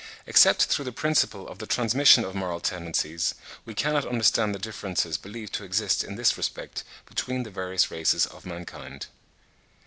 Except through the principle of the transmission of moral tendencies, we cannot understand the differences believed to exist in this respect between the various races of mankind.